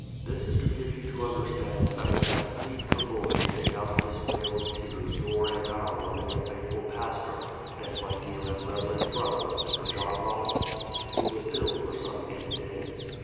This is to givf" you to understand that it has pleased the Lord to take out of this vale of tears your and our loving and faithful pastor, and my dear and reverend brother, Mr. John Robinson, who was ill for some eight days.